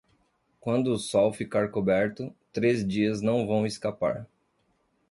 Quando o sol ficar coberto, três dias não vão escapar.